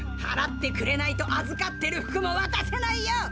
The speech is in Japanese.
はらってくれないと預かってる服もわたせないよ！